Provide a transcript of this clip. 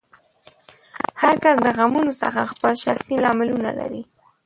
هر کس د غنملو څخه خپل شخصي لاملونه لري.